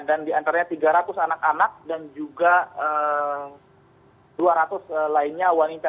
dan diantaranya tiga ratus anak anak dan juga dua ratus lainnya wanita